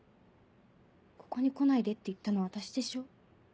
ここに来ないでって言ったのは私でしょ。